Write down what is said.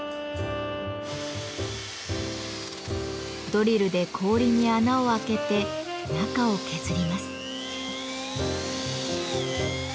ドリルで氷に穴を開けて中を削ります。